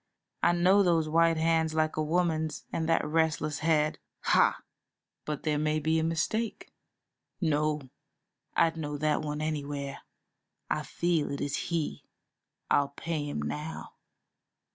I know those white hands like a woman's and that restless head. Ha!" "But there may be a mistake." "No. I'd know that one anywhere; I feel it is he. I'll pay him now.